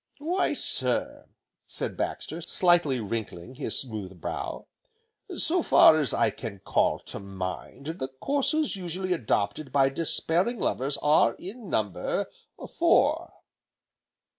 "Why sir," began Baxter, slightly wrinkling his smooth brow, "so far as I can call to mind, the courses usually adopted by despairing lovers, are, in number, four."